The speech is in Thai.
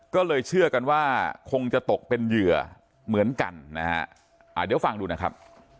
ก็เลยเชื่อกันว่าคงจะตกเป็นเหยื่อเหมือนกันนะฮะเดี๋ยวฟังดูนะครับ